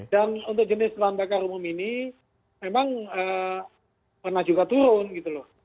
dan untuk jenis bahan bakar umum ini memang pernah juga turun gitu loh